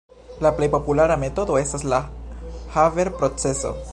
La plej populara metodo estas la Haber-proceso.